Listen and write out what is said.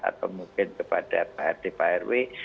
atau mungkin kepada pak rt pak rw